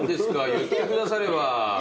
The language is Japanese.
言ってくだされば。